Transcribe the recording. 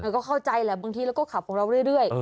ก็เข้าใจแหละบางทีเราก็ขับของเราเรื่อย